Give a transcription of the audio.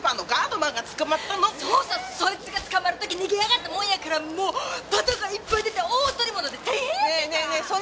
そいつが捕まる時逃げやがったもんやからもうパトカーいっぱい出て大捕物で大変やったんやから！